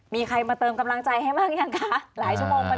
มีใครมาเติมกำลังใจให้บ้างยังคะหลายชั่วโมง